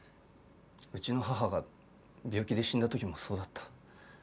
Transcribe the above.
うちの母が病気で死んだ時もそうだった。